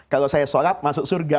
kalau saya sholat masuk surga